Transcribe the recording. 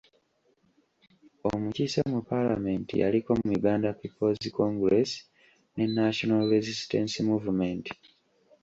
Omukiise mu palamenti yaliko mu Uganda people's congress ne National resistance movement.